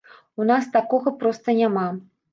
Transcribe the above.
У нас такога проста няма.